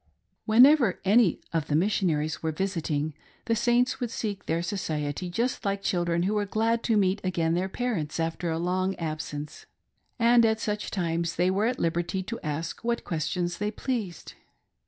Whenever g.ny of* the missionaries were visiting, the Saints would seek their society just like children who were glad to meet again their parents after a long absence ; and at such times they were at liberty to ask what questions they pleased.